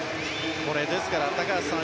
ですから、高橋さん